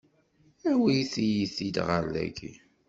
Awit-iyi-t-id ɣer dagi!